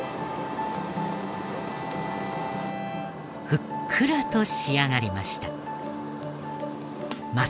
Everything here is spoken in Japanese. ふっくらと仕上がりました。